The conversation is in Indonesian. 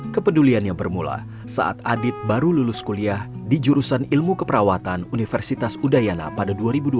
kepeduliannya bermula saat adit baru lulus kuliah di jurusan ilmu keperawatan universitas udayana pada dua ribu dua belas